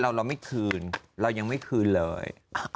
เราไม่คืนเรายังไม่คืนเลย